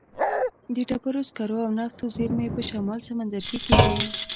د ډبرو سکرو او نفتو زیرمې په شمال سمندرګي کې دي.